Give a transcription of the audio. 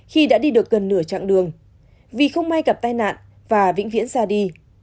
khi đã đi được gần nửa chặng đường vì không may gặp tai nạn và vĩnh viễn ra đi